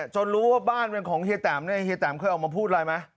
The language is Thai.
รู้ว่าบ้านเป็นของเฮียแตมเนี่ยเฮียแตมเคยออกมาพูดอะไรไหม